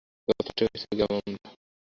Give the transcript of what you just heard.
যথেষ্ট হয়েছে, গেলাম আমরা।